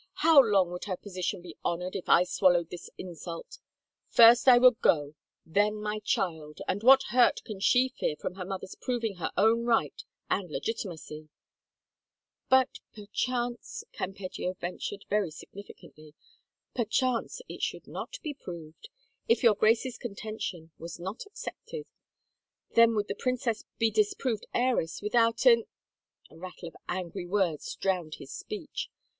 How long would her position be honored if I swallowed this insult ? First I would go, then my child I And what hurt can she fear from her mother's proving her own right and l^iti macy ?"" But perchance —" Campeggio ventured very signifi cantly, "perchance it should not be proved? If your Grace's contention was not accepted? Then would the princess be disproved heiress without in —" A rattle of angry words drowned his speech.